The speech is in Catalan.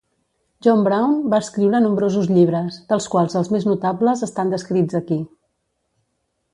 John Brown va escriure nombrosos llibres, dels quals els més notables estan descrits aquí.